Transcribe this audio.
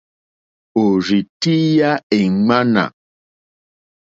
Òrzì tíyá èŋmánà.